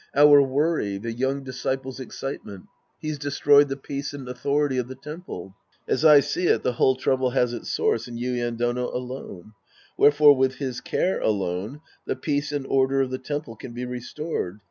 Our worry, the young disciples' excitement, — he's des troyed the peace and authority of the temple. As I see it, the whole trouble has its source in Yuien Dono alone. Wherefore with his care alone, the peace and order of the temple can be restored.